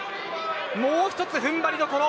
もう一つ踏ん張りどころ。